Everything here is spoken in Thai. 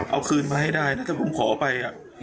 เอาคืนมาให้ได้ถ้าผมขอไป